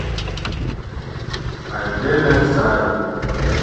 Айдеме сай.